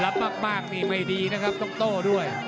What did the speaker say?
มากนี่ไม่ดีนะครับต้องโต้ด้วย